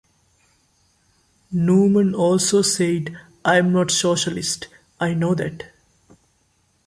Numan also said, I'm not socialist, I know that.